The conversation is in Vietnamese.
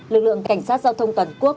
lực lượng cảnh sát giao thông toàn quốc